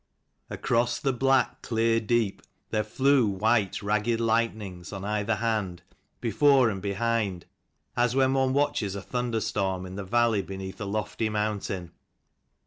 Across the black, clear deep there flew white, ragged lightnings, on either hand, before and behind, as when one watches a thunderstorm in the valley beneath a lofty mountain.